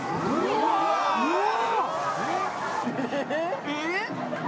うわ！